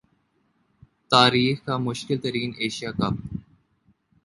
تاریخ کا مشکل ترین ایشیا کپ